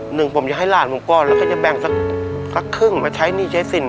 หนึ่งผมจะให้หลานผมก้อนแล้วก็จะแบ่งสักครึ่งมาใช้หนี้ใช้สิน